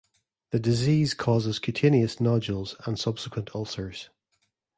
The disease causes cutaneous nodules and subsequent ulcers.